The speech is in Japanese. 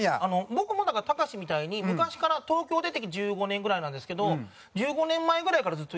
僕もだからたかしみたいに昔から東京出てきて１５年ぐらいなんですけど１５年前ぐらいからずっと行ってて。